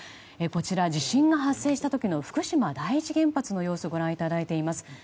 こちら地震が発生した時の福島第一原発の様子をご覧いただいています。